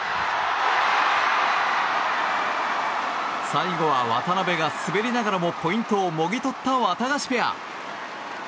最後は渡辺が滑りながらもポイントをもぎ取ったワタガシペア。